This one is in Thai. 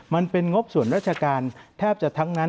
มันเป็นงบส่วนราชการแทบจะทั้งนั้น